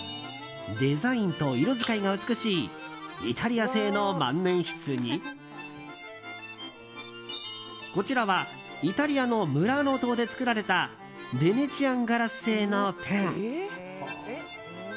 デザインと色遣いが美しいイタリア製の万年筆にこちらはイタリアのムラーノ島で作られたベネチアンガラス製のペン。